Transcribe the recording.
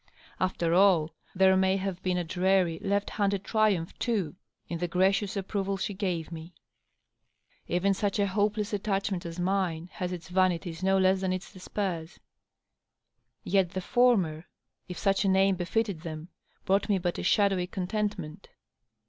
After all, there may have been a dreary, left handed triumph, too, in the gra 676 DOUGLAS DUANE. cious approval she gave me. Even such a hopeless attachment as mine has its . vanities no less than its despairs. Yet the former^ if such a name befitted them, brought me but a shadowy contentment.